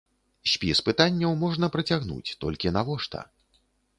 Спіс пытанняў можна працягнуць, толькі навошта?